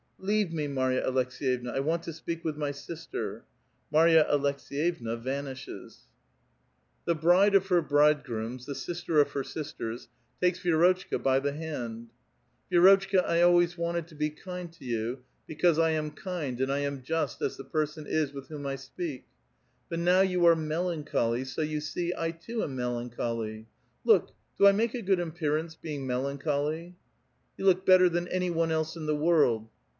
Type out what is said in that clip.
" Leave me, Marya Aleks^yevna ; I want to speak with my sister." Marya Aleks^yevna vanishes. 170 A VITAL QUESTION. The ))ri(lc of her briilogrooms, the sister of her sisters, takes Vii'rotrhka bv the huiiil. •* Vi^rotehku, 1 always wanted to bo kind to you l)ocaube I am kind and I am just as the person is with whom I si>i'ak. But now you are meiauciioly, so you see I too am melancholy. Look ! do I make a good appear ance lK»in<j melancholv? "Yo:i l(M)k better than any one else in the world."